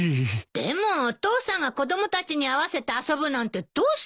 でも父さんが子供たちに合わせて遊ぶなんてどうしたの？